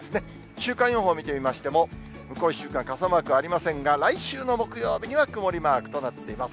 週間予報を見てみましても、向こう１週間傘マークありませんが、来週の木曜日には曇りマークとなっています。